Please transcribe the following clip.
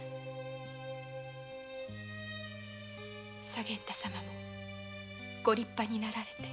左源太様も御立派になられて。